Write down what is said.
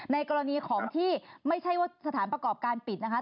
ในกรณีของที่ไม่ใช่ว่าสถานประกอบการปิดนะคะ